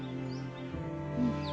うん。